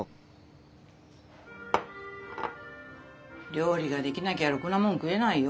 料理ができなきゃろくなもん食えないよ。